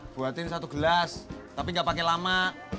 buatin satu gelas tapi gak pakai lama